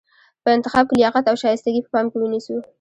په انتخاب کې لیاقت او شایستګي په پام کې ونیسو.